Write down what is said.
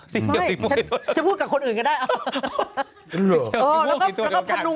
สีเหลือกสีม่วง